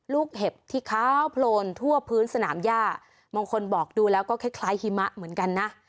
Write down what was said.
เห็บที่ขาวโพลนทั่วพื้นสนามย่าบางคนบอกดูแล้วก็คล้ายคล้ายหิมะเหมือนกันนะ